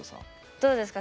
どうですか？